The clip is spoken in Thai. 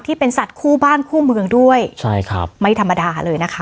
ที่เป็นสัตว์คู่บ้านคู่เมืองด้วยใช่ครับไม่ธรรมดาเลยนะคะ